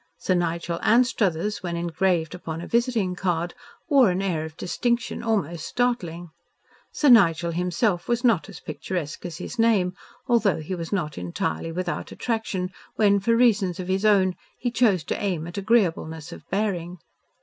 "Sir Nigel Anstruthers," when engraved upon a visiting card, wore an air of distinction almost startling. Sir Nigel himself was not as picturesque as his name, though he was not entirely without attraction, when for reasons of his own he chose to aim at agreeableness of bearing.